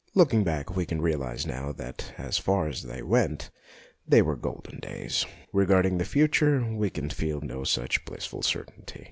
Look ing back we can realize now that as far as they went they were golden days. Regard ing the future we can feel no such blissful certainty.